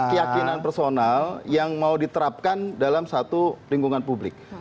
keyakinan personal yang mau diterapkan dalam satu lingkungan publik